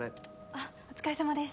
あっお疲れさまです。